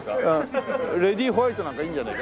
レディーホワイトなんかいいんじゃないか？